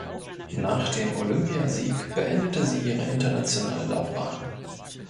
Nach dem Olympiasieg beendete sie ihre internationale Laufbahn.